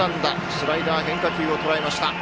スライダー変化球をとらえました。